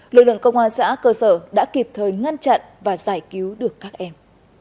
lực lượng công an xã cơ sở đã kịp thời ngăn chặn và giải cứu được các em